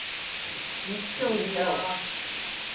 めっちゃ美味しそう。